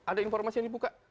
ada informasi yang dibuka